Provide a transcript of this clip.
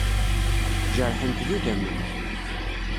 Jerḥent d idammen.